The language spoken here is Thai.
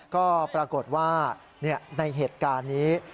ก็ปรากฏว่าในเหตุการณ์นี้